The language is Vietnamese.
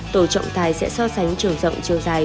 tổ trọng tài sẽ so sánh chiều rộng chiều dài